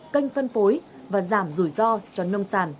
kênh phân phối và giảm rủi ro cho nông sản